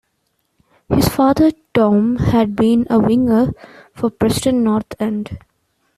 His father, Tom, had been a winger for Preston North End.